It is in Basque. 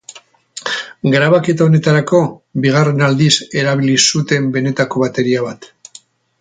Grabaketa honetarako, bigarren aldiz erabili zuten benetako bateria bat.